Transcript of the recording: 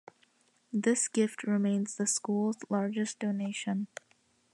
This gift remains the school's largest donation.